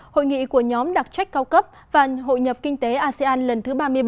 hội nghị của nhóm đặc trách cao cấp và hội nhập kinh tế asean lần thứ ba mươi ba